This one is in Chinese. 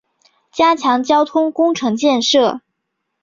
加强交通工程建设